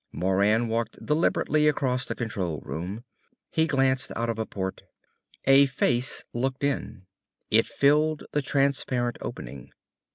Moran walked deliberately across the control room. He glanced out of a port. A face looked in. It filled the transparent opening.